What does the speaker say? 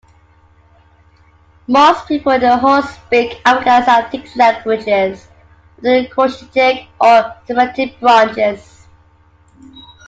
Most people in the Horn speak Afroasiatic languages of the Cushitic or Semitic branches.